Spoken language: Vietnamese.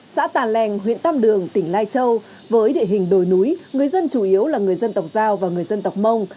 xã tà lèng huyện tam đường tỉnh lai châu với địa hình đồi núi người dân chủ yếu là người dân tộc giao và người dân tộc mông